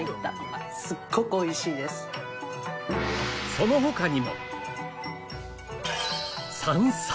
その他にも